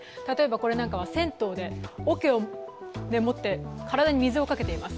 これなどは銭湯でおけを持って体に水をかけています。